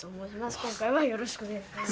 今回はよろしくお願いします。